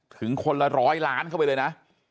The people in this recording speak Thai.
ถึงคนละร้อยล้านเข้าไปเลยนะ